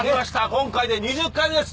今回で２０回目です